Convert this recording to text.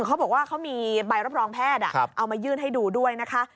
เขาบอกว่าเขามีใบรับรองแพทย์เอามายื่นให้ดูด้วยนะคะ